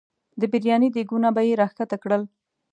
د برياني دیګونه به یې راښکته کړل.